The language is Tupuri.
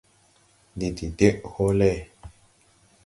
Ndi de deʼ hɔɔlɛ.